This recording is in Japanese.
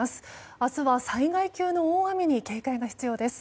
明日は災害級の大雨に警戒が必要です。